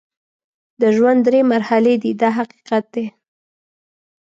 د ژوند درې مرحلې دي دا حقیقت دی.